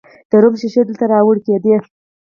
د روم شیشې دلته راوړل کیدې